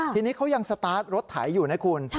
ทีนี้เขายังสตาร์ทรถไถอยู่นะคุณ